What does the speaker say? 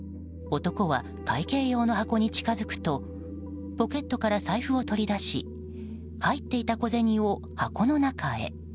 男は会計用の箱に近づくとポケットから財布を取り出し入っていた小銭を箱の中へ。